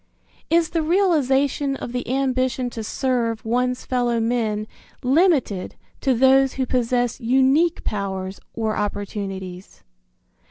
Is the realization of the ambition to serve one's fellow men limited to those who possess unique powers or opportunities?